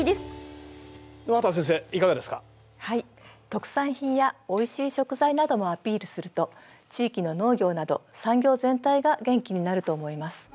特産品やおいしい食材などもアピールすると地域の農業など産業全体が元気になると思います。